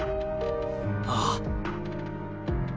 ああ！